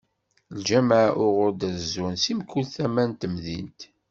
Ljameɛ uɣur d-rezzun si mkul tama n temdint.